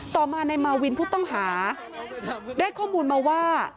ต่อมาในมาวินผู้ต้องหาได้ข้อมูลมาว่า